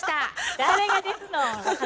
誰がですのん。